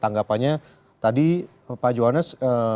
tanggapannya tadi pak joanes